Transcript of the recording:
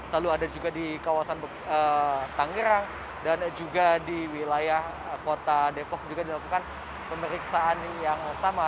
lalu ada juga di kawasan tangerang dan juga di wilayah kota depok juga dilakukan pemeriksaan yang sama